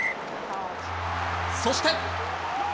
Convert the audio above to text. そして。